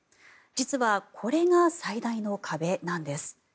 実は、これが最大の壁なんです。